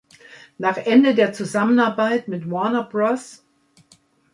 Nach Ende der Zusammenarbeit mit Warner Bros.